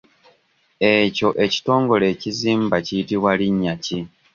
Ekyo ekitongole ekizimba kiyitibwa linnya ki?